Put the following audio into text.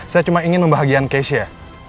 saya cuma ingin membahagiakan keisha